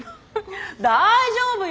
大丈夫よ！